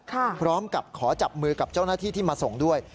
พร้อมกับขอจับมือกับเจ้าหน้าที่ที่มาส่งด้วย